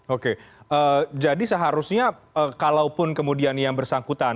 oke jadi seharusnya kalaupun kemudian yang bersangkutan